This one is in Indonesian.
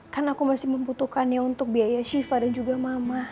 kan aku masih membutuhkannya untuk biaya shiva dan juga mama